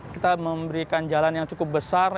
kita memberikan jalan yang cukup besar